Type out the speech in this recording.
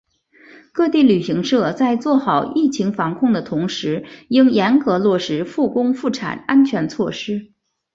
各地旅行社在做好疫情防控的同时应严格落实复工复产安全措施